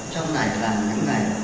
trong này là những ngày